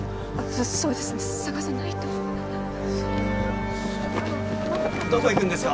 そうですね探さないとどこ行くんですか？